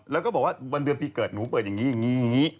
แล้วก็บอกว่าวันเดือนปีเกิดหนูเปิดอย่างนี้อย่างนี้